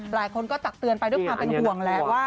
หลายคนก็ตักเตือนไปด้วยความเป็นห่วงแหละว่า